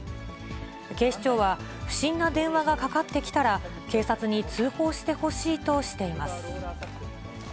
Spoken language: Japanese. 警視庁は、不審な電話がかかってきたら、警察に通報してほしいとしています。